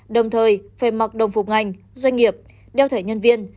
đồng thời phải mặc đồng phục ngành doanh nghiệp đeo thẻ nhân viên